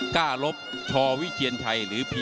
กล้าลบชอวิเจียนชัย